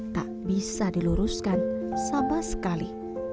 tak bisa diluruskan sama sekali